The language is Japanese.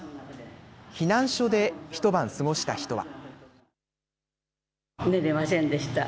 避難所で一晩過ごした人は。